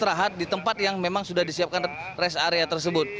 istirahat di tempat yang memang sudah disiapkan res area tersebut